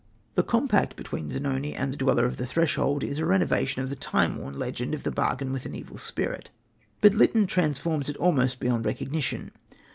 The compact between Zanoni and the Dweller of the Threshold is a renovation of the time worn legend of the bargain with an evil spirit, but Lytton transforms it almost beyond recognition.